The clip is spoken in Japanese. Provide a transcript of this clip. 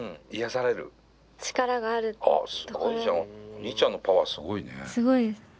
お兄ちゃんのパワーすごいね。